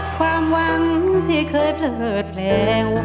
ความหวังที่เคยเผลิดเลว